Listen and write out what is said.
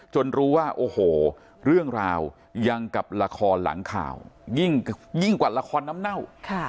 รู้ว่าโอ้โหเรื่องราวยังกับละครหลังข่าวยิ่งกว่าละครน้ำเน่า